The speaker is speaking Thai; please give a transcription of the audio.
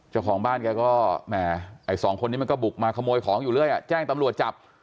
เจ้าของบ้านแกก็แหมไอ้สองคนนี้มันก็บุกมาขโมยของอยู่เรื่อยแจ้งตำรวจจับ